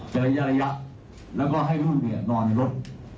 เจรยะแล้วก็ให้ลูกเด็กนอนในรถ